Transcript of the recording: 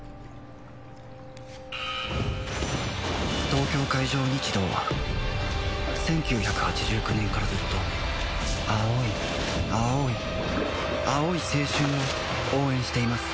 東京海上日動は１９８９年からずっと青い青い青い青春を応援しています